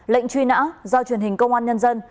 lệnh truy nã do truyền hình công an nhân dân